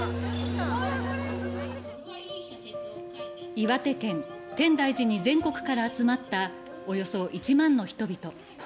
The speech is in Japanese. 岩手県・天台寺に全国から集まったおよそ１万の人々。